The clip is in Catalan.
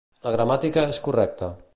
la gramàtica és correcta